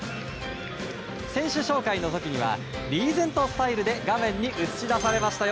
選手紹介の時にはリーゼントスタイルで画面に映し出されましたよ。